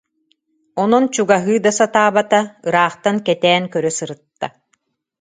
Онон чугаһыы да сатаабата, ыраахтан кэтээн көрө сырытта